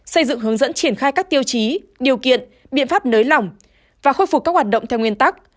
xây dựng hướng dẫn triển khai các tiêu chí điều kiện biện pháp nới lỏng và khôi phục các hoạt động theo nguyên tắc